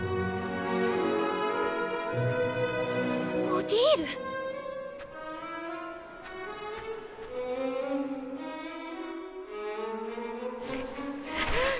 オディール？くっ。